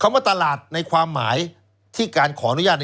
ว่าตลาดในความหมายที่การขออนุญาต